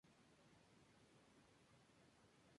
Encontraron la secuencia en el acantilado por debajo de St.